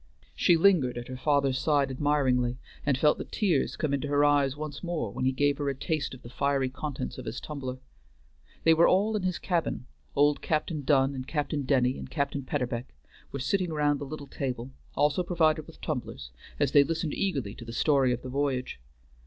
She lingered at her father's side admiringly, and felt the tears come into her eyes once more when he gave her a taste of the fiery contents of his tumbler. They were all in his cabin; old Captain Dunn and Captain Denny and Captain Peterbeck were sitting round the little table, also provided with tumblers, as they listened eagerly to the story of the voyage.